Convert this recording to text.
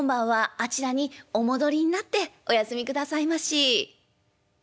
あちらにお戻りになってお休みくださいまし」。